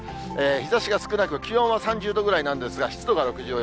日ざしが少なく、気温は３０度ぐらいなんですが、湿度が６４％。